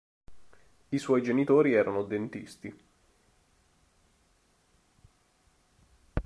I suoi genitori erano dentisti.